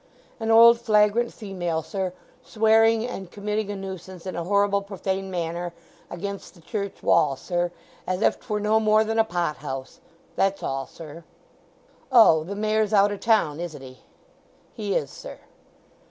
"An old flagrant female, sir, swearing and committing a nuisance in a horrible profane manner against the church wall, sir, as if 'twere no more than a pot house! That's all, sir." "Oh. The Mayor's out o' town, isn't he?" "He is, sir."